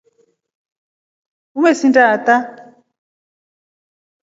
Umesinda ata.